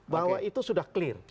bahwa itu sudah clear